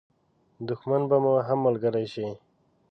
دښمن به مو هم ملګری شي.